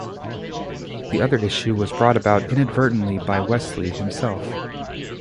The other issue was brought about inadvertently by Wesley himself.